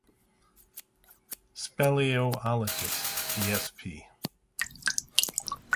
Speleologists esp.